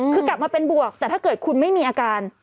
คือกลับมาเป็นบวกแต่ถ้าเกิดคุณไม่มีอาการ